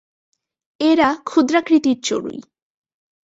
এরা ক্ষুদ্রাকৃতির চড়ুই।